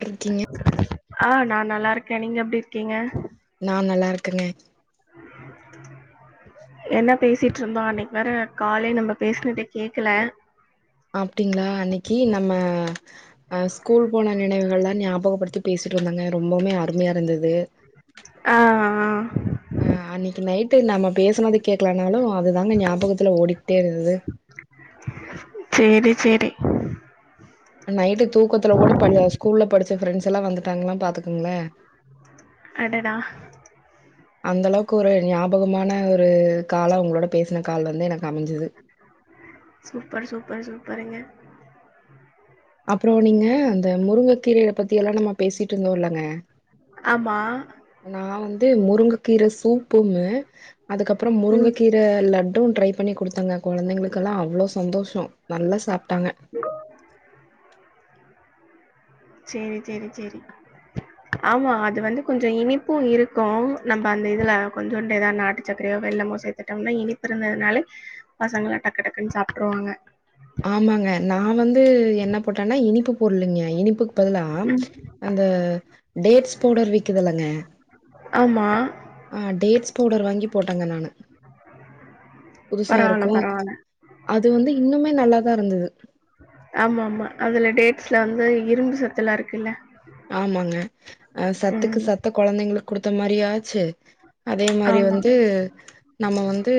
ட்ருக்கீங்க ஆ நா நல்லா இருக்கே நீங்க எப்டி இருக்கீங்க நா நல்லா இருக்கேங்க என்ன பேசிட்டு இருந்தோ அன்னைக்கு வேற காலே நம்ம பேசினதே கேக்ல அப்டிங்ளா அன்னைக்கு நம்ம அஹ் ஸ்கூல் போன நினைவுகள்லா ஞாபகப்படுத்தி பேசி ட்டு இருந்தோங்க ரொம்போமே அருமையா இருந்தது ஆஹ் அஹ் ஆ அன்னக்கு நைட்டு நம்ம பேசுனது கேக்லனாலு அதுதாங்க ஞாபகத்துல ஓடிக்ட்டே இருந்தது சேரி சேரி அ நைட்டு தூக்கத்துல கூட பழய ஸ்கூல்ல படிச்ச ஃப்ரெண்ட்ஸ் எல்லா வந்துட்டாங்லா பாத்துக் அடடா அந்த அளவுக்கு ஒரு ஞாபகமான ஒரு கால ஒங்களோட பேசினத் கால் வந்து எனக்கு அமஞ்சுது பாருங்க அப்புற நீங்க அந்த முருங்கக்கீரையில பத்தி எல்லா நம்ம பேசிட் ட்ருந்தோலங்க ஆமா நா வந்து முருங்கக்கீர சூப் புங்க அதுக்கப்புற ம் முருங்கைக்கீரை லட்டும் ட்ரை பண்ணி கொடுத்தங்க கொழந்தைங்களுக்கெல்லா அவ்ளோ சந் தோஷ நல்லா சாப்டாங்க சேரி சேரி சேரி ஆமா அது வந்து கொஞ்சோ இனிப்பு இருக்கு நம்ப அந்த இதுல கொஞ்சோண்டு எதா நாட்டு சக்கரையோ வெல்லமோ சேத்துட்டோம்னா இனிப்பிருந்ததுனால பசங்க டக்கு டக்குனு சாப்ட்ருவாங் ஆங்க ஆமாங்க நா வந்து என்ன போட்டேனா இனிப்பு பொருளுங்க இனிப்பு பதிலா ம் அந்த டேட்ஸ் பவுடர் விக்கிதில்லங்க ஆமா ஆஹ் டேட்ஸ் பவுடர் வாங்கி போட்டங்க நானு புதுசா பரவால்ல இருக்கு பரவால்ல அது வந்து இன்னுமே நல்லாதா இருந்துது ஆமாம்மா அதுல டேட்ஸ்ல வந்து இரும்பு சத்துலா இருக்குல்ல ஆமாங்க அ சத்துக்கு ம் சத்த குழந்தைங்களுக் குடுத்த மாரியு ஆச்சு அதே மாரி ஆமா வந்து நம்ம வந்து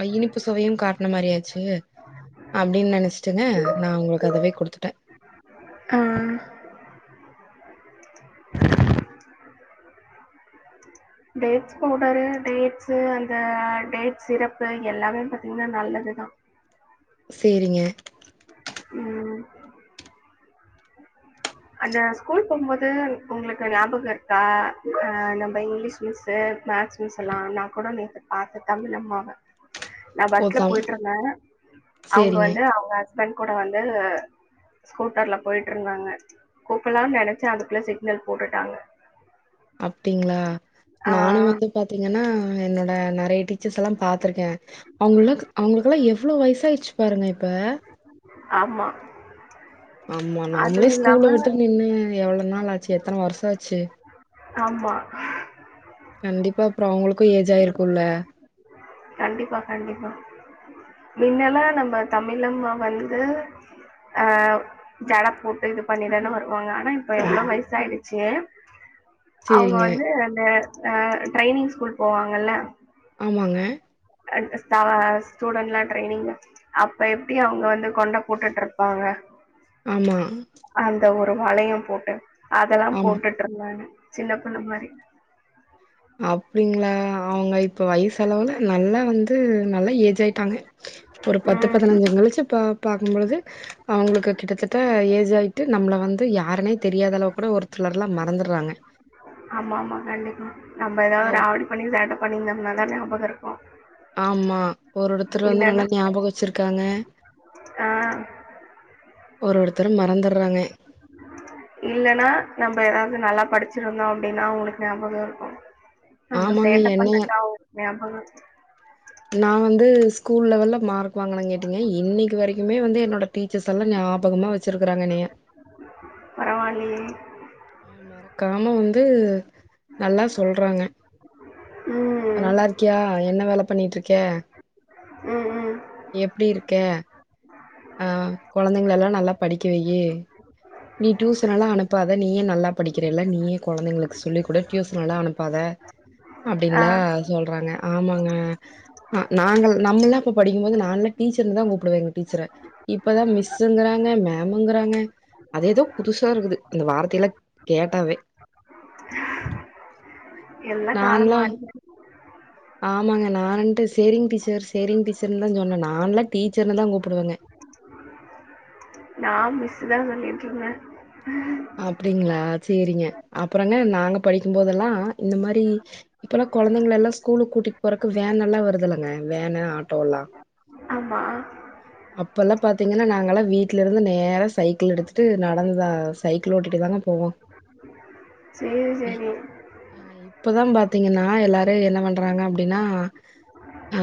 அ இனிப்பு சுவையு காட்ன மாரியாச்சு எ அப்டின்னு நினச்சுட்டுங்க நா உங்களுக்கு அதவே குடுத்துட்டே ஆ டேட்ஸ் பவுடரு டேட்ஸு அந்த டேட் சிறப்பு எல்லாமே பாத்தீங்னா நல்லது [unintelligible] சேரிங்க உம் அந்த ஸ்கூல் போம்போது உங்களுக்கு ஞாபக இருக்கா அஹ் நம்ம இங்கிலீஷ் மீஸ்ஸு மேக்ஸ் மிஸ்ஸெல்லா நா கூட நேத்து பாத்தே தமிழ் அம்மாவ நா ஓ பஸ்ல தம் போயிட்டு இருந்தே அவுங்க சேரிங்க வந்து அவுங்க ஹஸ் பண்ட் கூட வந்து ஸ்கூட்டர்ல போயிட்டு இருந்தாங்க கூப்லானு நினச்சே அதுக்குள்ள சிக்னல் போட்டுட்டாங்க அப்டிங்களா ஆ நானு வந்து பாத்தீங்கனா என்னோட நெறய டீச்சர்ஸ் எல்லா பாத்திருக்கே அவுங்கல்லக் அவங்களு அதல்லா எவ்ளோ வயசாயிருச்சு பாருங்க இப்ப ஆம்மா ஆமா நாமளே ஸ்கூல விட்டு நின்னு எவ்ளோ நாள் ஆச்சு எத்தன வருஷ ஆச்சு ஆமா கண்டிப்பா அப்ற அவுங்களுக்கு ஏஜ் ஆயிருக்குல்ல கண்டிப்பா கண்டிப்பா மின்னல்லா நம்ம தமிழம்மா வந்து ஆ ஜட போட்டு இது பண்ணிதான வரு வாங்க ஆனா இப்ப எல்லா வயிசாயிடுச்சு அவுங்க சேரிங்க வந்து அந்த அ ட்ரைனிங் ஸ்கூல் போவாங்கல்ல ஆமாங்க அந் சா ஸ்டூடன்ட் லா ட்ரைனிங் அப்ப எப்டி அவுங்க வந்து கொண்ட போட்டுட்ருப்பாங்க ஆமா அந்த ஒரு வளையம் போட்டு அதெல்லா ஆம் போட்டுட்ருந்தாங்க சின்ன புள்ள மாரி அப்டிங்ளா அவுங்க இப்ப வயுசளவுல நல்லா வந்து நல்லா ஏஜ் ஆயிட்டாங்க ஒரு பத்து ம் பதனஞ்சங் கழிச்சு பா பாக்குபொழுது அவுங்ளுக்கு கிட்டத்தட்ட ஏஜ் ஆயிட்டு நம்மள வந்து யாருனே தெரியாத அளவுக் கூட ஒருத்ரு எல்லா மறந்துர்றாங்க ஆமாமா கண்டிப்பா நம்ம எதாது ராவடி பண்ணி சேட்ட பண்ணிருந்தம்னாதா ஞாபக இருக்கு ஆமா ஒரொருத்தர் வந்து நல்லா இல்லன்னா ஞாபக வச்சிருக்காங்க ஆ ஒரொருத்தரு மறந்தர்றாங்க இல்லனா நம்ப எதாவுது நல்லா படிச்சிருந்தோ அப்டினா அவுங்களுக்கு ஞாபக இருக்கு நம்ம ஆமாங்க சேட்ட என்னைய பண்ணட்டா அவுங்களுக் ஞாபக இருக்கு நா வந் து ஸ்கூல் லெவல்ல மார்க் வாங்குனங்காட்டிங்க இன்னைக்கு வரைக்குமே வந்து என்னோட டீச்சர்ஸல்லா ஞாபகமாக வச்சிரு க்றாங்க என்னய பரவாலியே ஆ, மறக்காம வந்து நல்லா சொல்றாங்க ம் நல்லார்க்கியா என்ன வேல பண்ணிட்ருக்க ம் ம் எப்டி இருக்க ஆ கொழந்தைங்கள எல்லா நல்லா படிக்க வையி நீ டியூசன் எல்லா அனுப்பாத நீயே நல்லா படிக்கிறல்ல நீயே கொழந்தைங்களுக்கு சொல்லி குடு டியூசன் எல்லா அனுப்பாத ஆ அப்டின்லா சொல்றாங்க ஆமாங்க ஆ நாங்க நம்மெல்லா அப்ப படிக்கும்போது நான்லா டீச்சர்னுதா கூப்டுவ எங்கு டீச்சர இப்பதா மிஸ்ஸுங்றாங்க மேம்ங்றாங்க அதேதோ புதுசா இருக்குது இந்த வார்த்தைல்லா கேட்டாவே [inaudible] எல்லா காலோ நான்லா மாறிடுச்சி ஆமாங்க நானின்ட்டு சேரிங் டீச்சர் சேரிங் டீச்சர்னு தா சொன்ன நான்லா டீச்சர்னு தா கூப்டுவங்க நா மிஸ் தா சொல்லிட்ருந்த அப்டிங்ளா சேரிங்க அப்றங்க நாங்க படிக்கும்போதெல்லா இந்த மாரி இப்பலா கொழந்தைங்கள எல்லா ஸ்கூலுக்கு கூட்டிட் போறக்கு வேன் எல்லா வருதுளுங்க வேன் ஆட்டோ எல்லா ஆமா அப்பல்லா பாத்திங்கனா நாங்கலா வீட்ல இருந்து நேரா சைக்கிள் எடுத்துட்டு நடந்தா சைக்கிள் ஓட்டிட்டு தாங்க போவோ சேர் சேரிங் அ இப்பதா பாத்திங்கனா எல்லாரு என்ன பண்றாங்க அப்டினா அ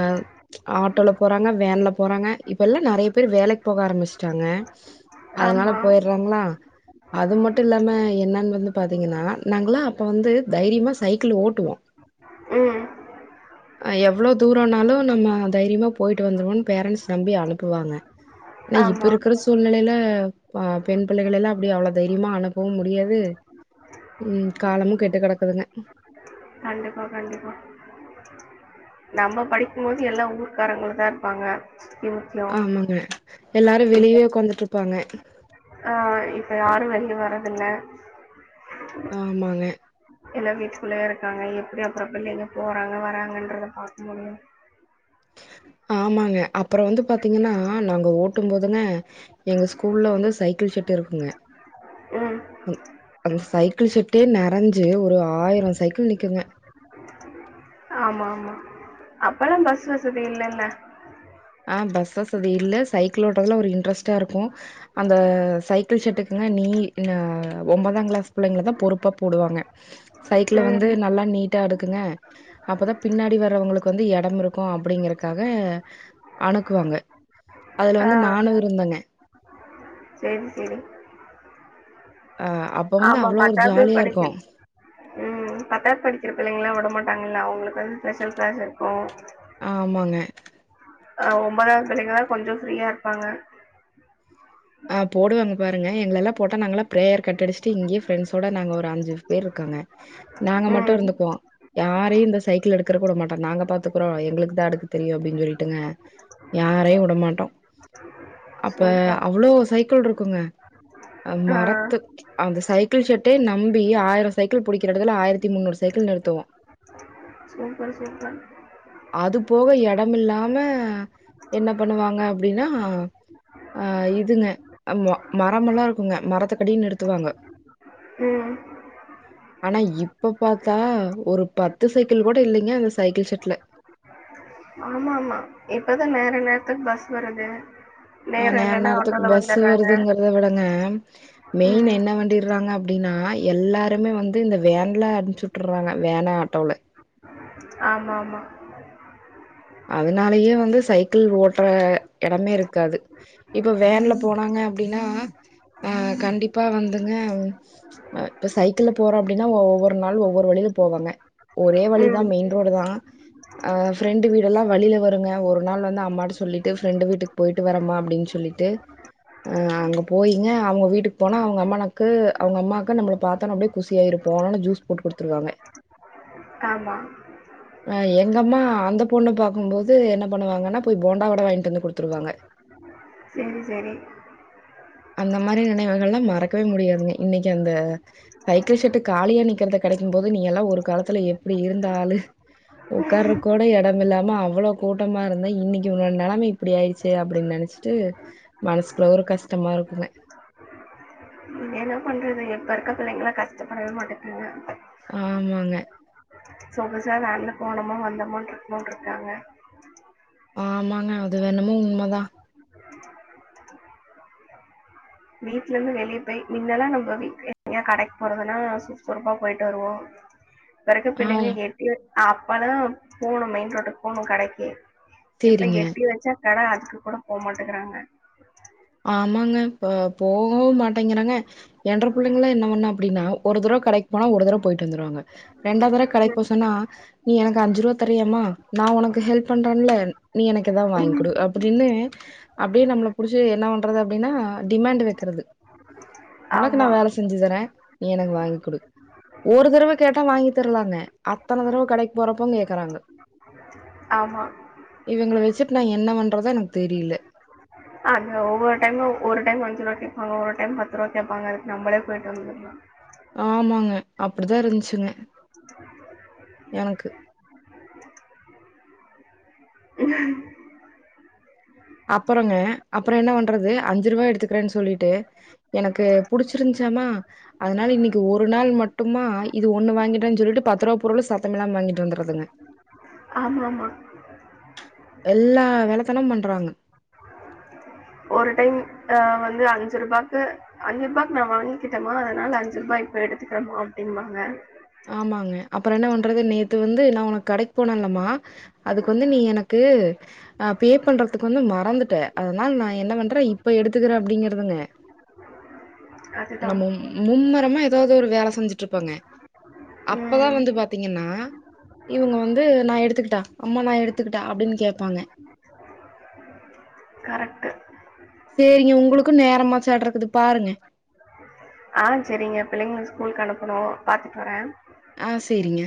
ஆட்டோல போறாங்க வேன்ல போறாங்க இப்பலா நெறைய பேர் வேலைக் போக ஆரம்பிச்ட்டாங்க அதனால ஆமா போயர்றாங்ளா அது மட்டு இல்லாம என்னன் வந்து பாத்திங்கனா நாங்கல்லா அப்ப வந்து தைரியமா சைக்கிள் ஓட்டுவோ ம் ஆ எவ்ளோ தூரோனாலு நம்ம தைரியமா போயிட்டு வந்துருவோன் பேரன்ட்ஸ் நம்பி அனுப்புவாங்க ஆனா இப்ப ஆமா இருக்கிற சூழ்நெலையில ப பெண் பிள்ளைகளல்லா அப்டி அவ்ள தைரியமா அனுப்பவு முடியாது ம் காலமு கெட்டு கெடக்குதுங்க கண்டிப்பா கண்டிப்பா நம்ம படிக்கும்போது எல்லா ஊர்க்காரங்களுந்தா இருப்பாங்க [unintelligible] எல்லாரு இப்ப வெளியவே உக்காந்துட்ருப்பாங்க ஆ இப்ப யாரு வெளிய வரதில்ல ஆமாங்க எல்லார் வீட்டுக்குள்ளேயே இருக்காங்க எப்டி அப்றோ பிள்ளைங்க போறாங்க வராங்கன்றத பாக்க முடியும் ஆமாங்க அப்றோ வந்து பாத்தீங்கன்னா நாங்க ஓட்டும் போதுங்க எங்க ஸ்கூல்ல வந்து சைக்கிள் செ ட்ருக்குங்க ம் அந்த சைக்கிள் செட்டே நெறஞ்சு ஒரு ஆயிரோ சைக்கிள் நிக்குங்க ஆமாமா அப்பல்லா பஸ் வசதி இல்லல்ல ஆ பஸ் வசதி இல்ல சைக்கிள் ஓட்றதுல ஒரு இன்ட்ரெஸ்ட்டா இருக்கு அந்த சைக்கிள் செட்டுக்கு நீ இந்த ஒம்பதாங்கிளாஸ் பிள்ளைங்களதா பொறுப்பா போடுவாங்க சைக்கிளு வந்து ம் நல்லா நீட்டா அடுக்குங்க அப்பதா பின்னாடி வர்றவங்களுக்கு வந்து எடமிருக்கு அப்டிங்கறக்காக அணுக்குவாங்க அதுல வந்து நானு இருந்தங்க சேரி சேரி ஆ அப் ஆமா பத்தாது படிக்கி ம் பத்தாத் படிக்கிற பிள்ளைங்கள வர மாட்டாங்கல்ல அவுங்களுக்கு வந்து ஸ்பெஷல் கிளாஸ் இருக்கு ஆமாங்க அ ஒம்பதாது பசங்கல்ல கொஞ்ச ஃப்ரீயா இருப்பாங்க ஆ போடுவங்க பாருங்க எங்கள எல்லா போட்டா நாங்கல்லா பிரேயர் கட்டடிச்சிட்டு இங்கேயே ஃப்ரெண்ட்ஸோட நாங்க ஒரு அஞ்சு பேர்ருக்கோ ங்க நாங்க மட்டு ம் இருந்துப்போ யாரையு இந்த சைக்கிள எடுக்கற விட மாட்டோ நாங்க பாத்துக்குறோ எங்ளுக்கு தா அடுக்க தெரியு அப்டின் சொல்லிட்டுங்க யாரையு உடமாட்டோ அப்ப சூப்பர் அவ்ளோ சைக்கிள்ருக்குங்க ஆ மரத்து அந்த சைக்கிள் ஷெட்டே நம்பி ஆயிரோ சைக்கிள் புடிக்கிற எடத்துல ஆயிரத்தி முன்னூறு சைக் கிள் நிறுத்துவோ சூப்பர் சூப்பர் அது போக எடமில்லாம என்ன பண்ணுவாங்க அப்டின்னா ஆ இதுங்க ம மரமெல்லா இருக்குங்க மரத்தக்கடிய நிறுத்துவாங்க ம் ஆனா இப்ப பாத்தா ஒரு பத்து சைக்கிள் கூட இல்லைங்க அந்த சைக்கிள் செட்ல இப்பதா நேரா நேர்த்துக்கு பஸ் வருது ஆ நேரம் நேர் இல்லைன்னா நேரத்துக்கு ஆட்டோல பஸ் வந்துடுறாங்க வருதுங்கறத விடங்க மெயின் ம் என்ன பண்டிறாங்க அப்டீனா எல்லாருமே வந்து இந்த வேன்ல அனுப்சுட்றாங்க வேனு ஆட்டோல ஆமாமா அதனாலயே வந்து சைக்கிள் ஓட்ற எடமே இருக்காது இப்ப வேன்ல போனாங்க அப்டீனா ஆ கண்டிப்பா வந்துங்க இப்ப சைக்கிள்ல போறோ அப்டீனா ஒவ்வொரு நாள் ஒவ்வொரு வழில போவோங்க ஒரே வழி தா ம் மெயின் ரோடு தா அ ஃப்ரெண்டு் வீ டெல்லா வழில வருங்க ஒரு நாள் வந்து அம்மாட்ட சொல்லிட்டு ஃப்ரெண்டு வீட்டுக்கு போயிட்டு வரமா அப்டின் சொல்லிட்டு ஆ அங்க போயிங்க அவங்க வீட்டுக்கு போனா அவங்க அம்மனக்கு அவங்க அம்மாக்கு நம்மள பாத்தோன அப்டியே குசியாயிரு போனுனே ஜூஸ் போட்டு குடுத்துருவாங்க ஆமா அ எங்கம்மா அந்தப் பொண்ணு பாக்கும் போது என்ன பண்ணுவாங்கன்னா போய் போண்டா வட வாங்கிட்டு வந்து குடுத்துருவாங்க ம் செரி அந்த மாரி நினைவுகள்ள் மறக்கவே முடியாதுங்க இன்னைக்கு அந்த சைக்கிள் ஷட்டு காலியா நிக்கறத க கெடைக்கும்போது நீயெல்லா ஒரு காலத்துல எப்டி இருந்த ஆளு உட்காருக் கூட எடம் இல்லாம அவ்ளோ கூட்டமாருந்தா இன்னிக்கு உன்னோட நெலம இப்டி ஆயிடிச்சே அப்டின்‌ நென் னச்சிட்டு மனசுக்குள்ள ஒரு கஷ்டமாருக்குங்க இது என்ன பண்றது இப்ப இருக்கற பிள்ளைங்கள்ல கஷ்டப்படவே மாட்டேங்குதுங்க ஆமாங்க சொகுசா வேன்ல போனோமா வந்தமாட்ருக்கணுன்ருக்காங்க ஆமாங்க அதுவென்னமோ உண்ம தா வீட்லந்து வெளிய பேய் மின்னெல்லா நம்ப வீட்ல எங்கையா‌ கடைக் போறதுன்னா சுறுசுறுப்பா போயிட்டு வருவோ இப்பருக்க ஆ பிள்ளைங்க எட்டி அப்பல்லா போணு மெயின் ரோட்டுக்கு போணு கடைக்கி இப்ப சரிங்க. எட்டி வெச்சா கட அதுக்கு கூட போமாட்டேங்குறாங்க ஆமாங்க இப்ப போவு மாட்டேங்கிறாங்க என்ற புள்ளைங்கல்லா என்ன பண்ணு அப்டின்னா ஒரு தரோ கடைக்கு போனா ஒரு தர போயிட்டு வந்துருவங்க ரெண்டாவத் தர ம் கடைக்கு போ சொன்னா நீ எனக்கு அஞ்சிருவா தரியமா நா உனக்கு ஹெல்ப் பண்றல்ல நீ எனக்கு ஏதாவது வாய்ங் குடு அப்டின்னு அப்டியே நம்ள புடிச் சு என்ன பண்றது அப்டின்னா டிமேண்ட்டு வெக்குறது உனக்கு நா ஆமா, வேல செஞ்சித்தர [inaudible] ஒரு தரவ கேட்டா வாங்கி தரலாங்க அத்தன தரவ கடைக்கு போறப்போங் கேக்கறாங்க ஆமா இவுங்கள வெச்சிட்டு நா என்ன பண்றதோ எனக் தெரியில பசங்க ஒவ்வொரு டைமு ஒரு டைம் அஞ்சு ரூபா கேப்பாங்க ஒரு டைம் பத்து ரூபா கேப்பாங்க அதுக்கு நம்பளே போயிட்டு வந்துக்கலா ஆமாங்க அப்டிதா இருஞ்சிங்க எனக்கு அப்புறங்க அப்புறோ என்ன பண்றது அஞ்சு ரூபா எடுத்துக்குறன் சொல்லிட்டு எனக்கு புடிச்சிருந்ச் எம்மா அதனால இன்னிக்கு ஒரு நாள் மட்டுமா இது ஒண்ணு வாங்கிட்றன் சொல்ட்டு பத்து ரூபா பொருளு சத்தமில்லாம வாங்கிட்டு வந்துறதுங்க ஆமாம்மா எல்லா வேலத்தனம் பண்றாங்க ஒரு டைம் அ வந்து அஞ்சி ரூபாக்கு அஞ்சி ரூபாக்கு நா வாங்கிக்கிட்டமா அதனால அஞ்சி ரூபாய் போ எடுத்துக்கிறம்மா அப்டின்பாங்க ஆமாங்க அப்புறோ என்ன பண்றது நேத்து வந்து நா உனக்கு கடைக் போனல்லமா அதுக்கு வந்து நீ எனக்கு அ நா பே பண்றதுக்கு வந்து மறந்துட்ட அதனால நா என்ன பண்ற இப்ப எடுத்துக்கற அப்டிங்கறதுங்க [inaudible] அதுதான். நம்ம மும்மரமா ஏதாவது ஒரு வேல செஞ்சிட்ருப்போங்க அப்பதா ம். வந்து பாத்தீங்கன்னா இவுங்க வந்து நா எடுத்துக்கிட்டா அம்மா நா எடுத்துக்கிட்டா அப்டின் கேப்பாங்க கரெக்ட் சேரிங்க உங்களுக்கு நேரமாச்சற்றுக்குது பாருங்க ஆ செரிங்க பிள்ளைங்கள ஸ்கூலுக்கு அனுப்பணு பாத்துட்டு வர ஆ செரிங்க